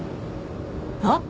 あっ！